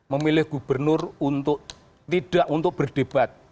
memilih gubernur untuk tidak untuk berdebat